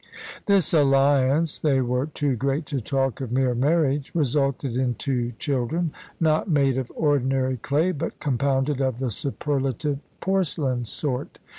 This alliance they were too great to talk of mere marriage resulted in two children, not made of ordinary clay, but compounded of the superlative porcelain sort.